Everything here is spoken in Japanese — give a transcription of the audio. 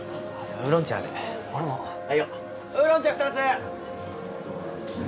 ウーロン茶二つ！